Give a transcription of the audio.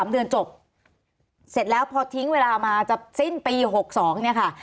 ๓เดือนจบเสร็จแล้วพอทิ้งเวลามาจะสิ้นปี๖๒เนี่ยค่ะ